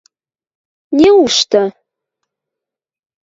– Неужты?